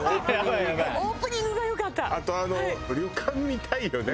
あと旅館見たいよね